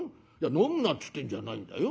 飲むなって言ってんじゃないんだよ。